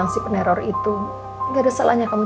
pasti nanti udah kalau